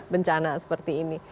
bencana seperti ini